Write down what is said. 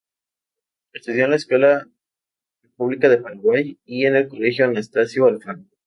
Estudió en la Escuela República de Paraguay y en el Colegio Anastasio Alfaro.